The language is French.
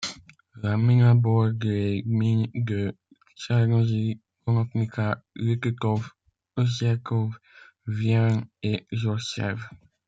La gmina borde les gminy de Czarnożyły, Konopnica, Lututów, Osjaków, Wieluń et Złoczew.